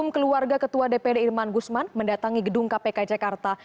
ketua dpd irman gusman mendatangi gedung kpk jakarta